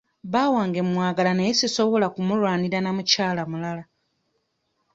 Bba wange mwagala naye sisobola kumulwanira na mukyala mulala.